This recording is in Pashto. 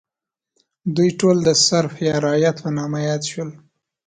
دوی ټول د سرف یا رعیت په نامه یاد شول.